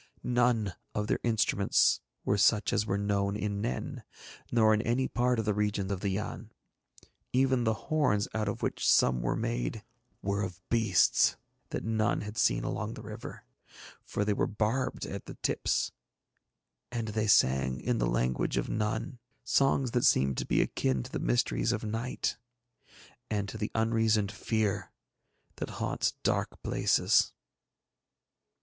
None of their instruments were such as were known in Nen nor in any part of the region of the Yann; even the horns out of which some were made were of beasts that none had seen along the river, for they were barbed at the tips. And they sang, in the language of none, songs that seemed to be akin to the mysteries of night and to the unreasoned fear that haunts dark places.